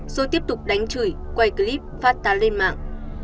rồi tiếp tục đánh chửi quay clip phát tán lên mạng